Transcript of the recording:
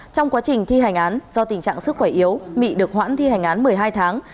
trong quá trình thi hành án do tình trạng sức khỏe yếu mị được hoãn thi hành án một mươi hai tháng